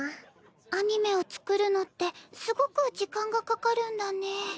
アニメを作るのってすごく時間がかかるんだね。